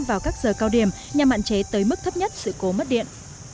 vào các giờ cao điểm nhằm hạn chế tới mức thấp nhất sự cố mất điện